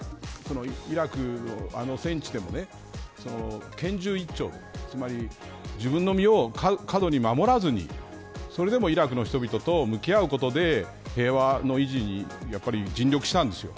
イラクの戦地でも拳銃一丁つまり自分の身を過度に守らずにそれでもイラクの人々と向き合うことで平和の維持に尽力したんですよ。